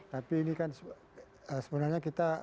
tapi ini kan sebenarnya kita